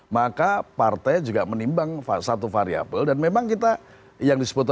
maka partai juga menimbang satu variable dan memang kita yang disebut organisasi itu kita dibuat